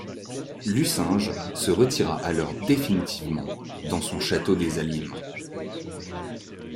Lucinge se retira alors définitivement dans son château des Allymes.